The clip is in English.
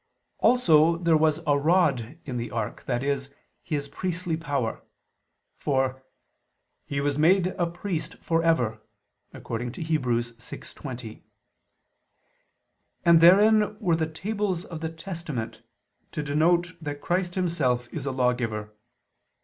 Also there was a rod in the ark, i.e. His priestly power: for "He was made a ... priest for ever" (Heb. 6:20). And therein were the tables of the Testament, to denote that Christ Himself is a lawgiver.